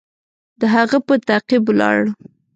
د هغه په تعقیب ولاړ.